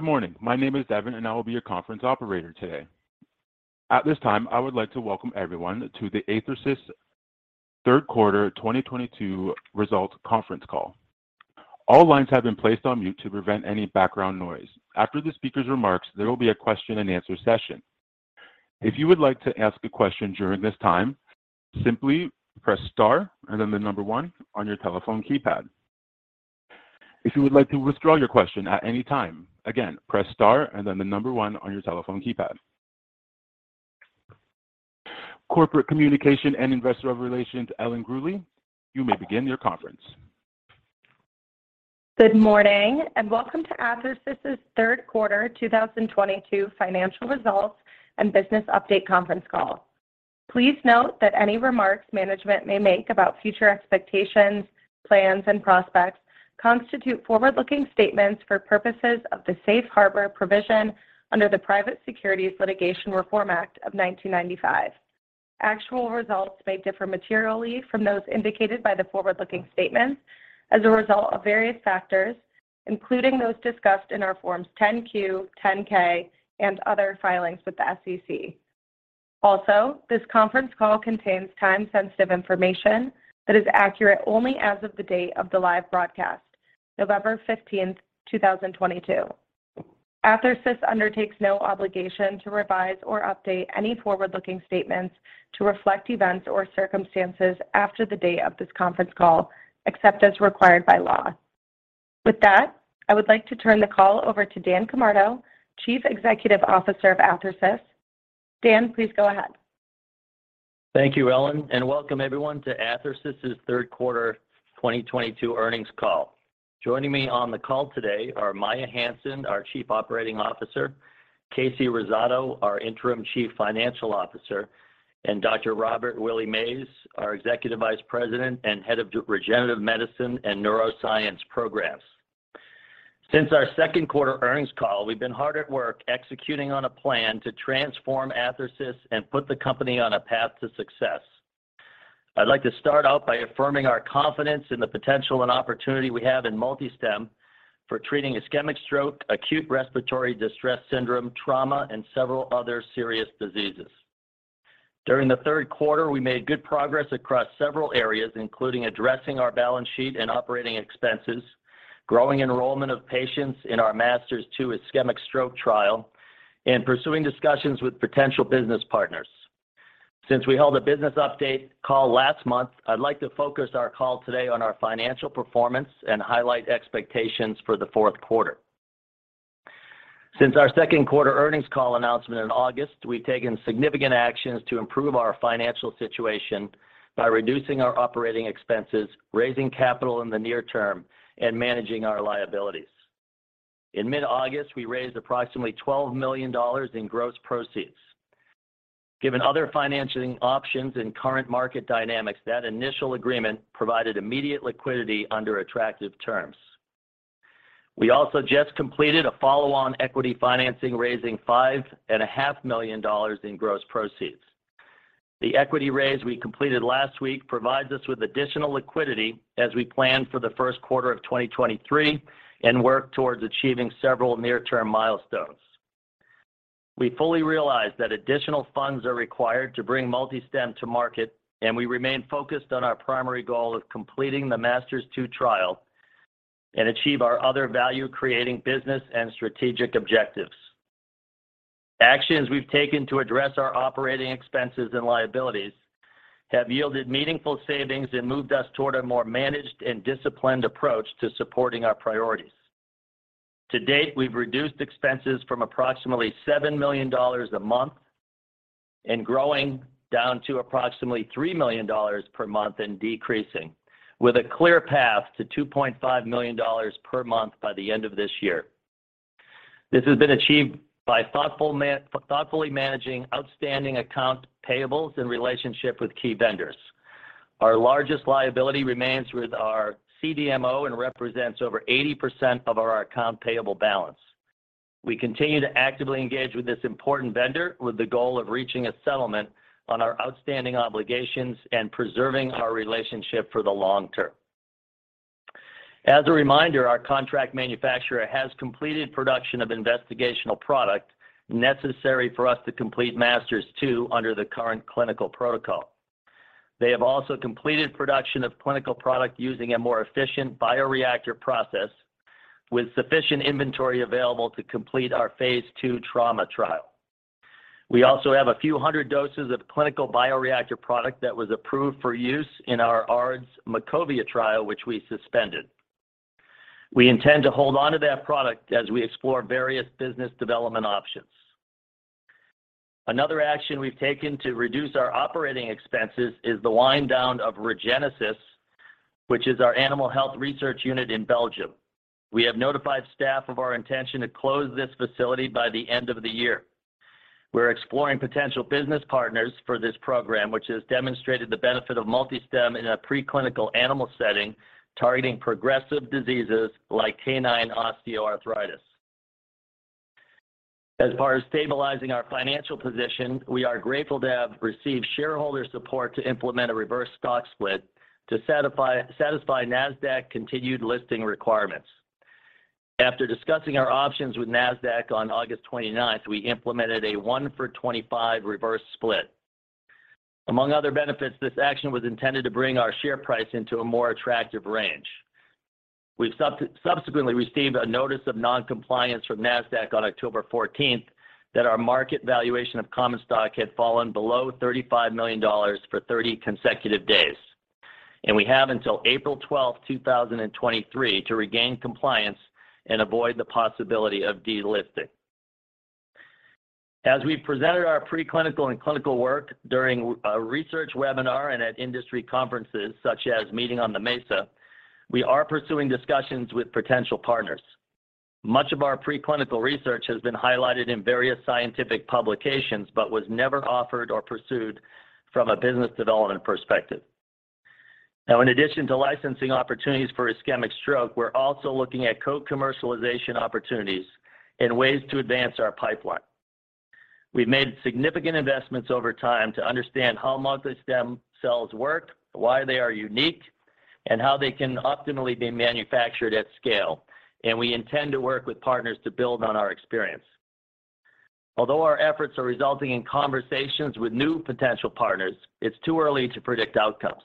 Good morning. My name is Devin, and I will be your conference operator today. At this time, I would like to welcome everyone to the Athersys third quarter, 2022 results conference call. All lines have been placed on mute to prevent any background noise. After the speaker's remarks, there will be a question-and-answer session. If you would like to ask a question during this time, simply press star and then the number one on your telephone keypad. If you would like to withdraw your question at any time, again, press star and then the number one on your telephone keypad. Corporate Communications and Investor Relations, Ellen Gurley, you may begin your conference. Good morning, and welcome to Athersys' third quarter 2022 financial results, and business update conference call. Please note that any remarks management may make about future expectations, plans, and prospects constitute forward-looking statements for purposes of the Safe Harbor provision under the Private Securities Litigation Reform Act of 1995. Actual results may differ materially from those indicated by the forward-looking statements, as a result of various factors, including those discussed in our forms 10-Q, 10-K, and other filings with the SEC. Also, this conference call contains time-sensitive information, that is accurate only as of the date of the live broadcast, November 15, 2022. Athersys undertakes no obligation to revise or update any forward-looking statements to reflect events or circumstances after the date of this conference call, except as required by law. With that, I would like to turn the call over to Dan Camardo, Chief Executive Officer of Athersys. Dan, please go ahead. Thank you, Ellen, and welcome everyone to Athersys' third quarter 2022 earnings call. Joining me on the call today are Maia Hansen, our Chief Operating Officer, Kasey Rosado, our interim Chief Financial Officer, and Dr. Robert W. Mays, our Executive Vice President and Head of Regenerative Medicine and Neuroscience Programs. Since our second quarter earnings call, we've been hard at work executing on a plan to transform Athersys, and put the company on a path to success. I'd like to start out by affirming our confidence in the potential and opportunity we have in MultiStem, for treating ischemic stroke, acute respiratory distress syndrome, trauma, and several other serious diseases. During the third quarter, we made good progress across several areas, including addressing our balance sheet and operating expenses, growing enrollment of patients in our MASTERS-2 ischemic stroke trial, and pursuing discussions with potential business partners. Since we held a business update call last month, I'd like to focus our call today on our financial performance and highlight expectations for the fourth quarter. Since our second quarter earnings call announcement in August, we've taken significant actions to improve our financial situation, by reducing our operating expenses, raising capital in the near term, and managing our liabilities. In mid-August, we raised approximately $12 million in gross proceeds. Given other financing options and current market dynamics, that initial agreement provided immediate liquidity under attractive terms. We also just completed a follow-on equity financing, raising $5.5 million in gross proceeds. The equity raise we completed last week provides us with additional liquidity, as we plan for the first quarter of 2023 and work towards achieving several near-term milestones. We fully realize that additional funds are required to bring MultiStem to market, and we remain focused on our primary goal of completing the MASTERS-2 trial, and achieve our other value creating business and strategic objectives. Actions we've taken to address our operating expenses and liabilities, have yielded meaningful savings and moved us toward a more managed and disciplined approach to supporting our priorities. To date, we've reduced expenses from approximately $7 million a month, and growing down to approximately $3 million per month and decreasing, with a clear path to $2.5 million per month by the end of this year. This has been achieved, by thoughtfully managing outstanding accounts payable in relationship with key vendors. Our largest liability remains with our CDMO and represents over 80% of our accounts payable balance. We continue to actively engage with this important vendor with the goal of reaching a settlement on our outstanding obligations and preserving our relationship for the long term. As a reminder, our contract manufacturer has completed production of investigational product necessary for us to complete MASTERS-2 under the current clinical protocol. They have also completed production of clinical product using a more efficient bioreactor process, with sufficient inventory available to complete our phase two trauma trial. We also have a few hundred doses of clinical bioreactor product that was approved for use in our ARDS MACOVIA trial, which we suspended. We intend to hold on to that product as we explore various business development options. Another action we've taken to reduce our operating expenses is the wind down of ReGenesys, which is our animal health research unit in Belgium. We have notified staff of our intention to close this facility by the end of the year. We're exploring potential business partners for this program, which has demonstrated the benefit of MultiStem in a preclinical animal setting, targeting progressive diseases like canine osteoarthritis. As far as stabilizing our financial position, we are grateful to have received shareholder support to implement a reverse stock split, to satisfy Nasdaq continued listing requirements. After discussing our options with Nasdaq on August 29th, we implemented a one for-25 reverse split. Among other benefits, this action was intended to bring our share price into a more attractive range. We've subsequently received a notice of non-compliance from Nasdaq on October 14 that our market valuation of common stock had fallen below $35 million for 30 consecutive days, and we have until April 12, 2023 to regain compliance, and avoid the possibility of delisting. As we presented our preclinical and clinical work during a research webinar and at industry conferences such as Meeting on the Mesa, we are pursuing discussions with potential partners. Much of our preclinical research has been highlighted in various scientific publications, but was never offered or pursued from a business development perspective. Now in addition to licensing opportunities for ischemic stroke, we're also looking at co-commercialization opportunities and ways to advance our pipeline. We've made significant investments over time to understand how MultiStem cells work, why they are unique, and how they can optimally be manufactured at scale, and we intend to work with partners to build on our experience. Although our efforts are resulting in conversations with new potential partners, it's too early to predict outcomes.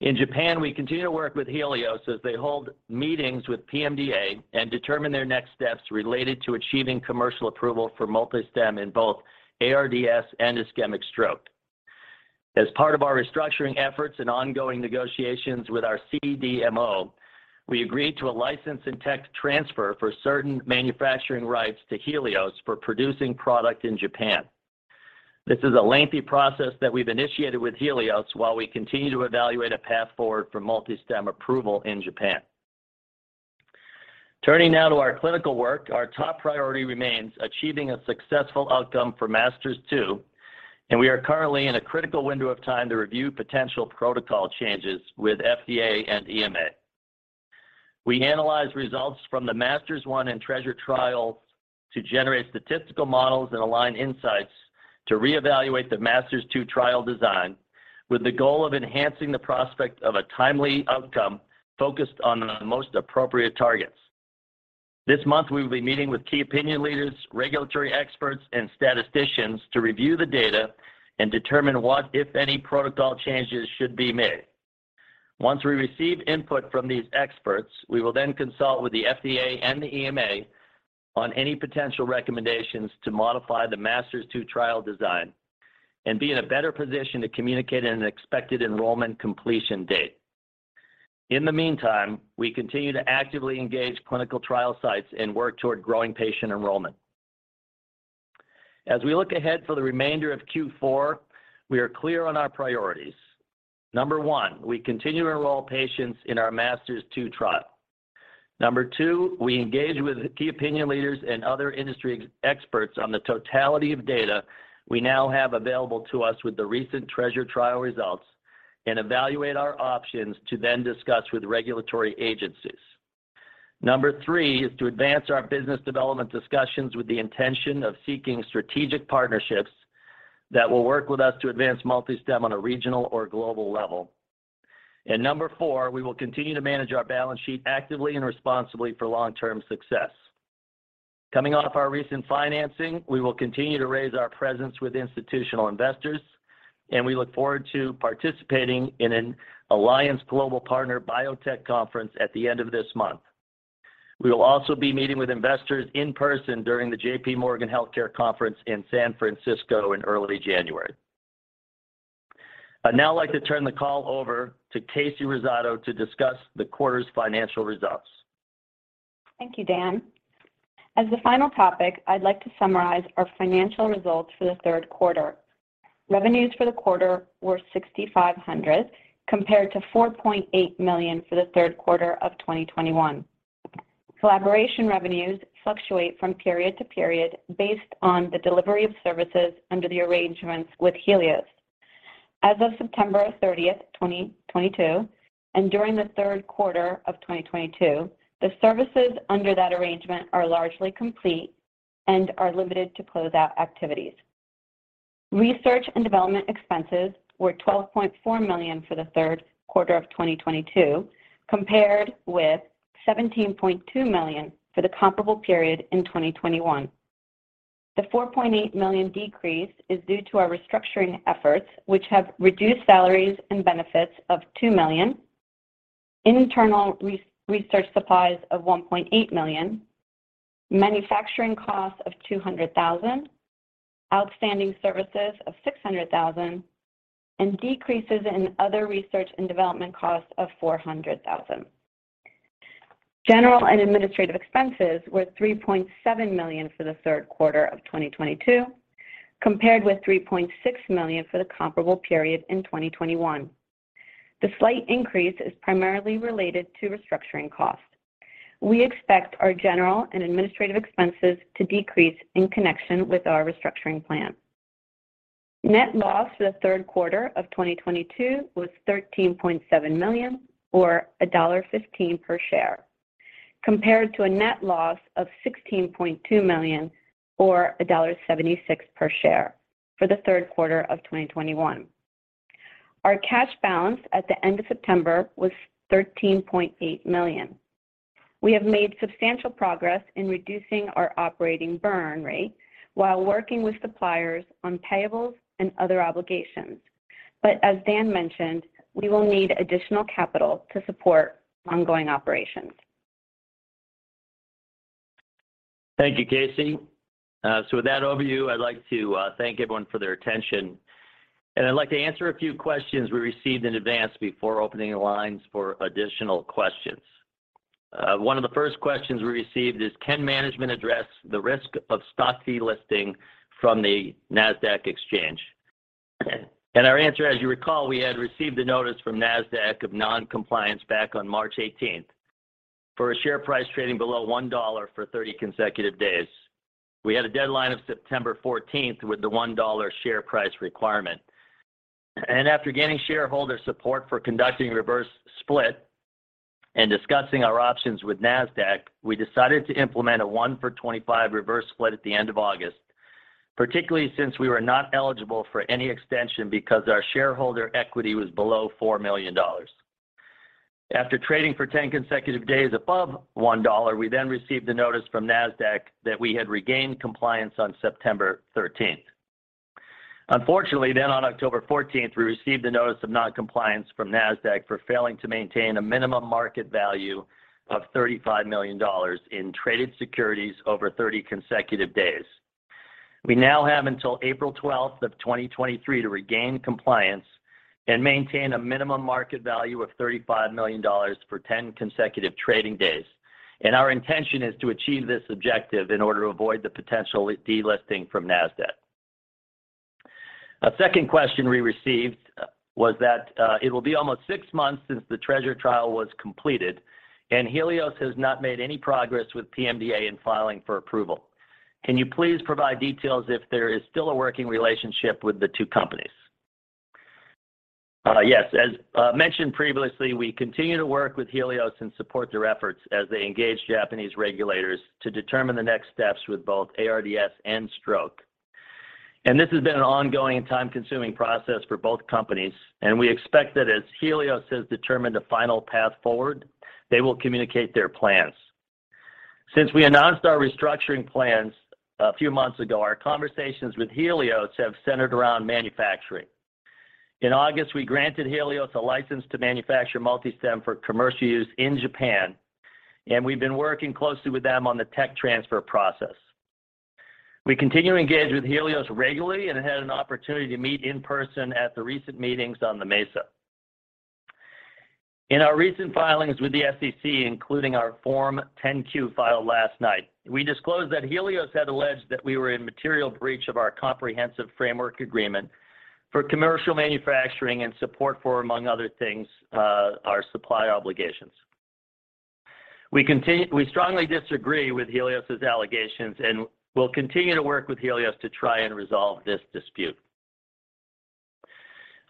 In Japan, we continue to work with Healios as they hold meetings with PMDA and determine their next steps related to achieving commercial approval for MultiStem in both ARDS and ischemic stroke. As part of our restructuring efforts and ongoing negotiations with our CDMO, we agreed to a license and tech transfer for certain manufacturing rights to Healios for producing product in Japan. This is a lengthy process that we've initiated with Healios while we continue to evaluate a path forward for MultiStem approval in Japan. Turning now to our clinical work, our top priority remains achieving a successful outcome for MASTERS-2, and we are currently in a critical window of time to review potential protocol changes with FDA and EMA. We analyze results from the MASTERS-1 and TREASURE trial, to generate statistical models and align insights to reevaluate the MASTERS-2 trial design, with the goal of enhancing the prospect of a timely outcome focused on the most appropriate targets. This month we will be meeting with key opinion leaders, regulatory experts, and statisticians to review the data and determine what, if any, protocol changes should be made. Once we receive input from these experts, we will then consult with the FDA and the EMA, on any potential recommendations to modify the MASTERS-2 trial design, and be in a better position to communicate an expected enrollment completion date. In the meantime, we continue to actively engage clinical trial sites and work toward growing patient enrollment. As we look ahead for the remainder of Q4, we are clear on our priorities. Number one, we continue to enroll patients in our MASTERS-2 trial. Number two, we engage with key opinion leaders and other industry experts on the totality of data, we now have available to us with the recent TREASURE trial results, and evaluate our options to then discuss with regulatory agencies. Number three is to advance our business development discussions with the intention of seeking strategic partnerships, that will work with us to advance MultiStem on a regional or global level. Number four, we will continue to manage our balance sheet actively and responsibly for long-term success. Coming off our recent financing, we will continue to raise our presence with institutional investors, and we look forward to participating in an Alliance Global Partners Biotech Conference at the end of this month. We will also be meeting with investors in person during the J.P. Morgan Healthcare Conference in San Francisco in early January. I'd now like to turn the call over to Kasey Rosado to discuss the quarter's financial results. Thank you, Dan. As the final topic, I'd like to summarize our financial results for the third quarter. Revenues for the quarter were $6,500 compared to $4.8 million for the third quarter of 2021. Collaboration revenues fluctuate from period to period based on the delivery of services under the arrangements with Healios. As of September 30, 2022 and during the third quarter of 2022, the services under that arrangement are largely complete, and are limited to closeout activities. Research and development expenses were $12.4 million for the third quarter of 2022, compared with $17.2 million for the comparable period in 2021. The $4.8 million decrease is due to our restructuring efforts, which have reduced salaries and benefits of $2 million, internal research supplies of $1.8 million, manufacturing costs of $200,000, outside services of $600,000, and decreases in other research and development costs of $400,000. General and administrative expenses were $3.7 million for the third quarter of 2022, compared with $3.6 million for the comparable period in 2021. The slight increase is primarily related to restructuring costs. We expect our general and administrative expenses to decrease in connection with our restructuring plan. Net loss for the third quarter of 2022 was $13.7 million or $1.15 per share, compared to a net loss of $16.2 million or $1.76 per share for the third quarter of 2021. Our cash balance at the end of September was $13.8 million. We have made substantial progress in reducing our operating burn rate while working with suppliers on payables and other obligations. As Dan mentioned, we will need additional capital to support ongoing operations. Thank you, Kasey. With that overview, I'd like to thank everyone for their attention. I'd like to answer a few questions we received in advance before opening the lines for additional questions. One of the first questions we received is: Can management address the risk of stock delisting from the Nasdaq exchange? Our answer, as you recall, we had received a notice from Nasdaq of non-compliance back on March 18. For a share price trading below $1 for 30 consecutive days. We had a deadline of September 14 with the $1 share price requirement. After gaining shareholder support for conducting reverse split and discussing our options with Nasdaq, we decided to implement a one for-25 reverse split at the end of August, particularly since we were not eligible for any extension because our shareholder equity was below $4 million. After trading for 10 consecutive days above $1, we then received a notice from Nasdaq that we had regained compliance on September 13. Unfortunately, then on October 14, we received a notice of non-compliance from Nasdaq for failing to maintain a minimum market value of $35 million in traded securities over 30 consecutive days. We now have until April 12, 2023 to regain compliance and maintain a minimum market value of $35 million for 10 consecutive trading days, and our intention is to achieve this objective in order to avoid the potential delisting from Nasdaq. A second question we received was that, it will be almost six months since the TREASURE trial was completed, and Healios has not made any progress with PMDA in filing for approval. Can you please provide details if there is still a working relationship with the two companies? Yes. As mentioned previously, we continue to work with Healios and support their efforts as they engage Japanese regulators to determine the next steps with both ARDS and stroke. This has been an ongoing and time-consuming process for both companies, and we expect that as Healios has determined a final path forward, they will communicate their plans. Since we announced our restructuring plans a few months ago, our conversations with Healios have centered around manufacturing. In August, we granted Healios a license to manufacture MultiStem for commercial use in Japan, and we've been working closely with them on the tech transfer process. We continue to engage with Healios regularly and had an opportunity to meet in person at the recent meetings on the Mesa. In our recent filings with the SEC, including our Form 10-Q filed last night, we disclosed that Healios had alleged that we were in material breach of our comprehensive framework agreement, for commercial manufacturing and support for, among other things, our supply obligations. We strongly disagree with Healios's allegations, and we'll continue to work with Healios to try and resolve this dispute.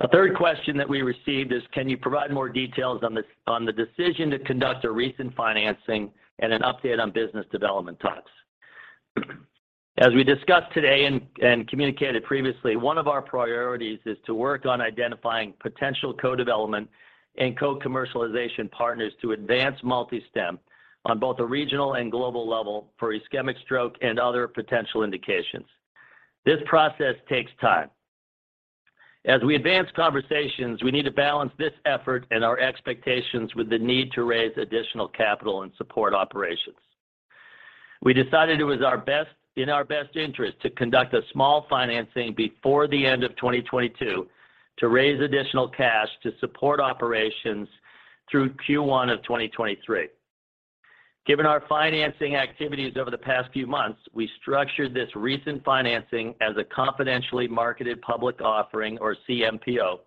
A third question that we received is, can you provide more details on this on the decision to conduct a recent financing and an update on business development talks? As we discussed today and communicated previously, one of our priorities is to work on identifying potential co-development and co-commercialization partners to advance MultiStem, on both a regional and global level for ischemic stroke and other potential indications. This process takes time. As we advance conversations, we need to balance this effort and our expectations with the need to raise additional capital and support operations. We decided it was in our best interest to conduct a small financing before the end of 2022, to raise additional cash to support operations through Q1 of 2023. Given our financing activities over the past few months, we structured this recent financing as a confidentially marketed public offering or CMPO,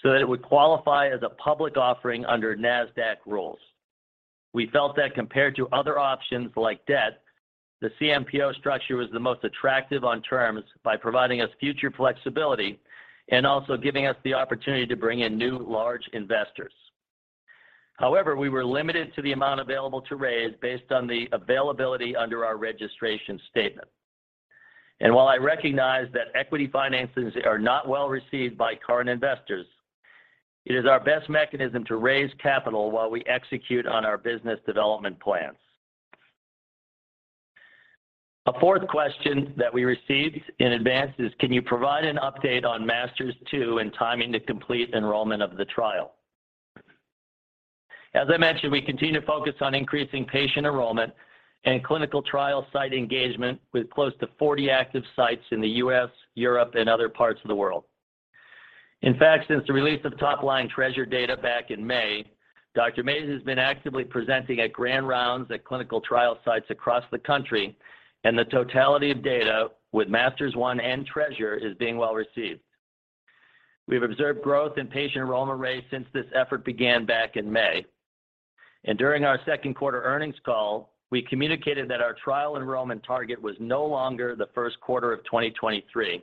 so that it would qualify as a public offering under Nasdaq rules. We felt that compared to other options like debt, the CMPO structure was the most attractive on terms by providing us future flexibility and also giving us the opportunity to bring in new large investors. However, we were limited to the amount available to raise based on the availability under our registration statement. While I recognize that equity finances are not well received by current investors, it is our best mechanism to raise capital while we execute on our business development plans. A fourth question that we received in advance is can you provide an update on MASTERS-2 and timing to complete enrollment of the trial? As I mentioned, we continue to focus on increasing patient enrollment and clinical trial site engagement with close to 40 active sites in the U.S., Europe, and other parts of the world. In fact, since the release of top line TREASURE data back in May, Dr. Mays has been actively presenting at grand rounds at clinical trial sites across the country, and the totality of data with MASTERS-1 and TREASURE is being well received. We've observed growth in patient enrollment rates since this effort began back in May. During our second quarter earnings call, we communicated that our trial enrollment target was no longer the first quarter of 2023,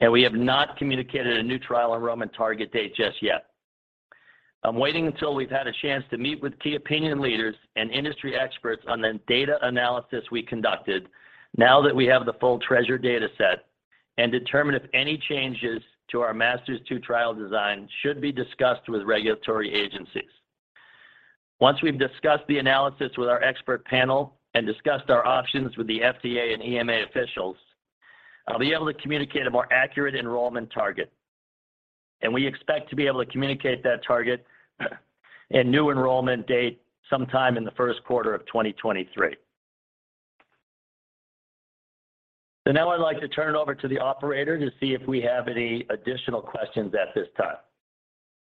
and we have not communicated a new trial enrollment target date just yet. I'm waiting until we've had a chance to meet with key opinion leaders and industry experts on the data analysis we conducted now that we have the full TREASURE dataset and determine if any changes to our MASTERS-2 trial design should be discussed with regulatory agencies. Once we've discussed the analysis with our expert panel and discussed our options with the FDA and EMA officials, I'll be able to communicate a more accurate enrollment target, and we expect to be able to communicate that target, and new enrollment date sometime in the first quarter of 2023. Now I'd like to turn it over to the operator to see if we have any additional questions at this time.